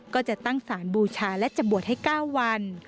ก็จะตั้งสารบูชาและจะบวชให้๙วัน